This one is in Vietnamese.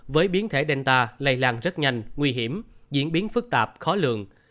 với biến thể delta lây làng rất nhanh nguy hiểm diễn biến phức tạp khó lượng